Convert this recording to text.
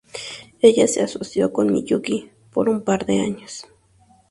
Ella se asoció con Miyuki por un par de años.